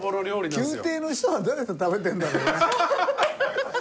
宮廷の人はどうやって食べてるんだろうね？